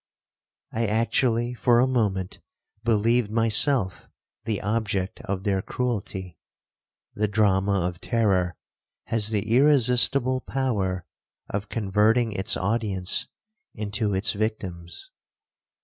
1 I actually for a moment believed myself the object of their cruelty. The drama of terror has the irresistible power of converting its audience into its victims.